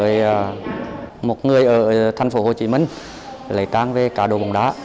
với một người ở thành phố hồ chí minh lấy trang về cá độ bóng đá